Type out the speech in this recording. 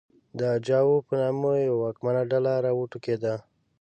د اجاو په نامه یوه واکمنه ډله راوټوکېده